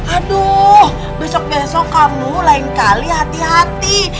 aduh besok besok kamu lain kali hati hati